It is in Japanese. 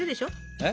えっ？